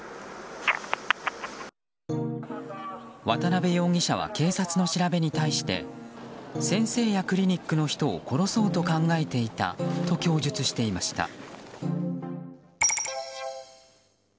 渡辺容疑者は警察の調べに対して先生やクリニックの人を殺そうと考えていたと供述していました。